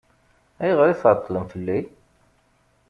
Ayɣer i tɛeṭṭlem fell-i?